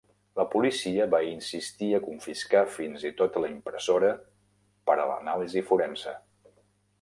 La policia va insistir a confiscar fins i tot la impressora per a l'anàlisi forense.